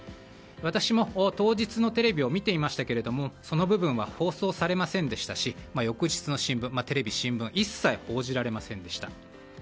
私も当日のテレビを見ていましたがその部分は放送されませんでしたし翌日のテレビや新聞では一切、報じられませんでした。